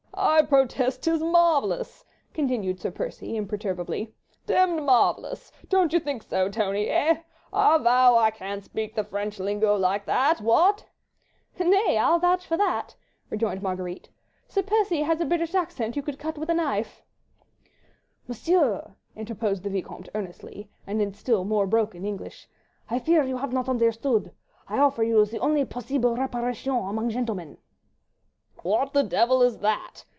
"I protest 'tis marvellous!" continued Sir Percy, imperturbably, "demmed marvellous! Don't you think so, Tony—eh? I vow I can't speak the French lingo like that. What?" "Nay, I'll vouch for that!" rejoined Marguerite. "Sir Percy has a British accent you could cut with a knife." "Monsieur," interposed the Vicomte earnestly, and in still more broken English, "I fear you have not understand. I offer you the only posseeble reparation among gentlemen." "What the devil is that?"